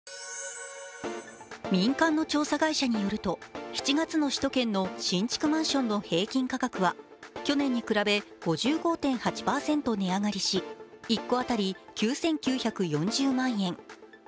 民間の調査会社によると、７月の首都圏の新築マンションの平均価格は去年に比べ５５．８％値上がりし、１戸当たり９９４０万円。